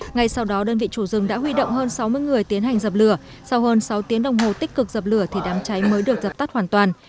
ngay sau đó đơn vị chủ rừng đã huy động hơn sáu mươi người tiến hành dập lửa sau hơn sáu tiếng đồng hồ tích cực dập lửa thì đám cháy mới được dập tắt hoàn toàn